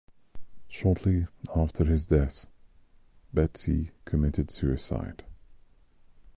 Shortly after his death Betsy committed suicide.